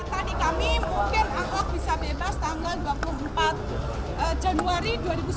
tadi kami mungkin ahok bisa bebas tanggal dua puluh empat januari dua ribu sembilan belas